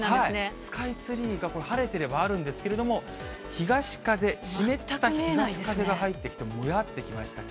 スカイツリーが、晴れてればあるんですけれども、東風、湿った東風が入ってきて、もやってきました。